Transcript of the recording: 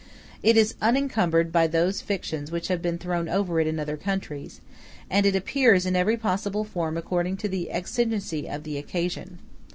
It is unencumbered by those fictions which have been thrown over it in other countries, and it appears in every possible form according to the exigency of the occasion.